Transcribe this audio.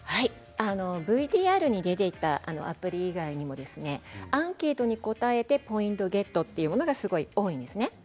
ＶＴＲに出ていたアプリ以外にもアンケートに答えてポイントゲットというものがすごく多いんですね。